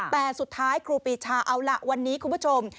แต่สุดท้ายครูปีชาเอาล่ะวันนี้คุณผู้ชม